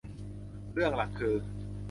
เรื่องหลักคือ